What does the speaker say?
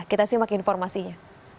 kita simak informasinya